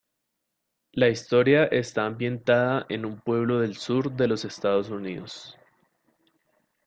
La historia está ambientada en un pueblo del Sur de los Estados Unidos.